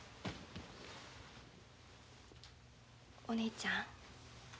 お姉ちゃん。